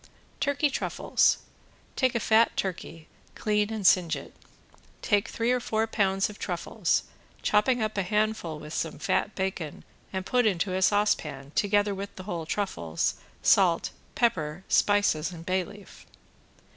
~TURKEY TRUFFLES~ Take a fat turkey, clean and singe it. Take three or four pounds of truffles, chopping up a handful with some fat bacon and put into a saucepan, together with the whole truffles, salt, pepper, spices and a bay leaf.